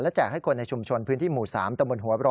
แจกให้คนในชุมชนพื้นที่หมู่๓ตะบนหัวรอ